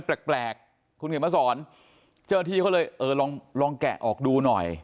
แปลกคุณเขียนมาสอนเจอที่เขาเลยเออลองลองแกะออกดู